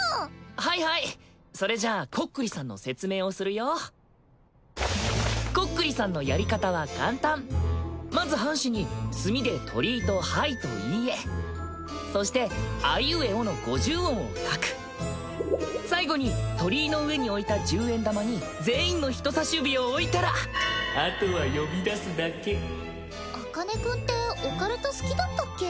はいはいそれじゃあこっくりさんの説明をするよこっくりさんのやり方は簡単まず半紙に墨で鳥居と「はい」と「いいえ」そしてあいうえおの五十音を書く最後に鳥居の上に置いた十円玉に全員の人さし指を置いたらあとは呼び出すだけ茜君ってオカルト好きだったっけ？